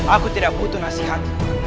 aku tidak butuh nasihat